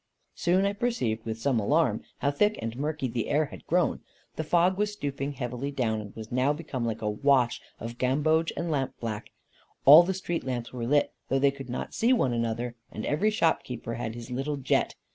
Soon I perceived, with some alarm, how thick and murky the air had grown. The fog was stooping heavily down, and was now become like a wash of gamboge and lamp black. All the street lamps were lit, though they could not see one another, and every shop keeper had his little jet.